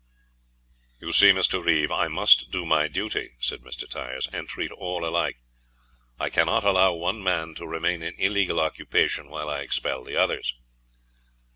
"You see, Mr. Reeve, I must do my duty," said Mr. Tyers, "and treat all alike. I cannot allow one man to remain in illegal occupation, while I expel the others."